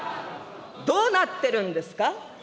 どうなっているんですか。